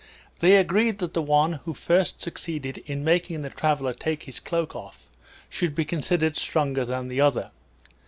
They agreed that the one who first succeeded in making the traveler take his cloak off should be considered stronger than the other.